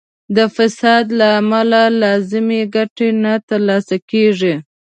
د فساد له امله لازمه ګټه نه تر لاسه کیږي.